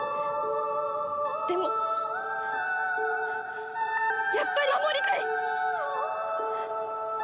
でもやっぱり守りたい！